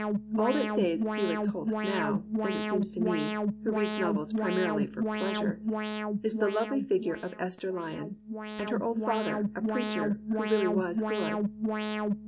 All that saves Fdix Holt now (as it seems to me, who read novels primarily for pleasure) is the lovely figure of Esther Lyon, and her old father, a preacher who really was good.